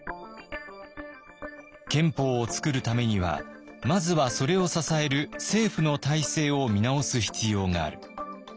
憲法をつくるためにはまずはそれを支える政府の体制を見直す必要がある。